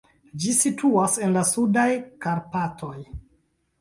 Ĝi situas en la Sudaj Karpatoj.